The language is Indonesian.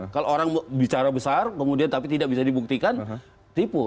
kalau orang bicara besar kemudian tapi tidak bisa dibuktikan tipu